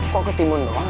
kok ketimbun doang